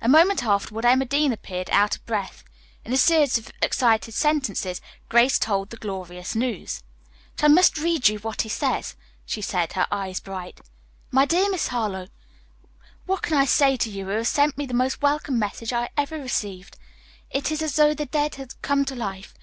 A moment afterward Emma Dean appeared, out of breath. In a series of excited sentences, Grace told the glorious news. "But I must read you what he says," she said, her eyes very bright. "MY DEAR MISS HARLOWE: "What can I say to you who have sent me the most welcome message I ever received? It is as though the dead had come to life.